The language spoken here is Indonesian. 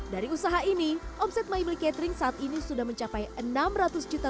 dari usaha ini omset miblic catering saat ini sudah mencapai enam ratus juta